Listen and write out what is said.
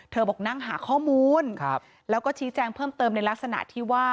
บอกนั่งหาข้อมูลแล้วก็ชี้แจงเพิ่มเติมในลักษณะที่ว่า